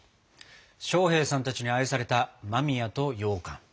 将兵さんたちに愛された間宮とようかん。